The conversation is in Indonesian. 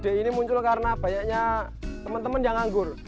ide ini muncul karena banyaknya teman teman yang anggur